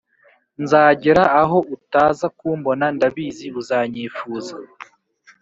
Nzagera aho utaza umbona ndabizi uzanyifuza